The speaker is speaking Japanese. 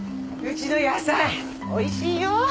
うちの野菜美味しいよ。